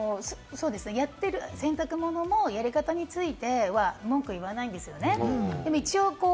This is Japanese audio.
洗濯物もやり方については文句言わないですよね。